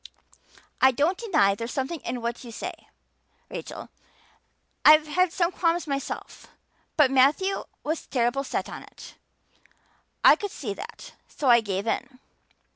"I don't deny there's something in what you say, Rachel. I've had some qualms myself. But Matthew was terrible set on it. I could see that, so I gave in.